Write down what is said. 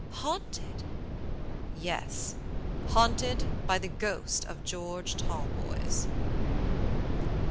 "Haunted?" "Yes, haunted by the ghost of George Talboys."